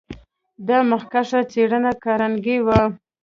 دا مخکښه څېره کارنګي و.